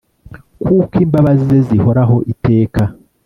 Kuko imbabazi ze zihoraho iteka